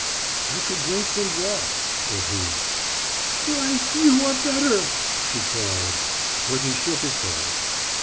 "I could drink some broth," said he. "Why, you are better!" she cried. But he shook his head.